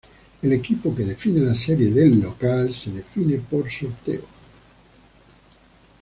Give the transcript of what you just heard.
El equipo que define la serie de local se define por sorteo.